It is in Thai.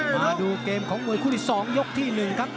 มาดูเกมของมวยคู่ที่๒ยกที่๑ครับ